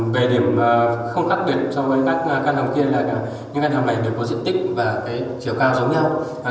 về điểm không khác biệt so với các căn hầm kia là những căn hầm này đều có diện tích và cái chiều cao giống nhau